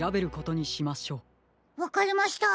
わかりました。